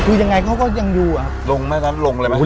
คุยยังไงเขาก็ยังอยู่อะครับลงไหมลงเลยมั้ย